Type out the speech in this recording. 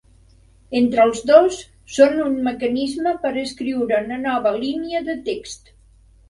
Entre els dos, són un mecanisme per escriure una nova línia de text.